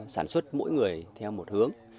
sản xuất mỗi người theo một hướng